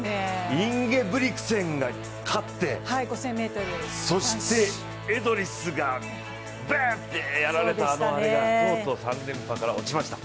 インゲブリクセンが勝って、そしてエドリスがやられた、とうとう３連覇から落ちました。